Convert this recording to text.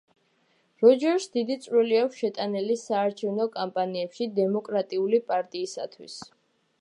როჯერსს დიდი წვლილი აქვს შეტანილი, საარჩევნო კამპანიებში, დემოკრატიული პარტიისათვის.